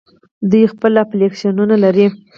دوی خپل اپلیکیشنونه لري.